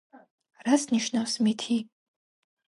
რას ნიშნავს მითი?